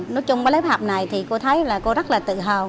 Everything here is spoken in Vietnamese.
nói chung với lớp học này thì cô thấy là cô rất là tự hào